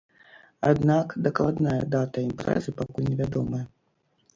Аднак дакладная дата імпрэзы пакуль невядомая.